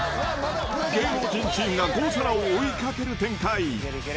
芸能人チームが５皿を追いかける展開。